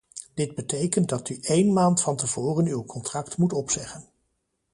Dit betekent dat u één maand van tevoren uw contract moet opzeggen.